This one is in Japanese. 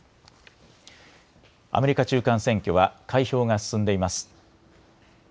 アメリカ中間選挙は開票が進んでいます。